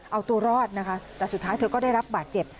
เอาตัวรอดนะคะแต่สุดท้ายเธอก็ได้รับบาดเจ็บ